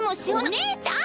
・お姉ちゃん！